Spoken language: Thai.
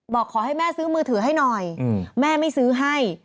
บอกขอให้แม่ซื้อมือถือให้หน่อยแม่ไม่ซื้อให้